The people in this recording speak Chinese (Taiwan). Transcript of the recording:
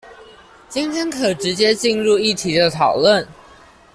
今天可直接進入議題的討論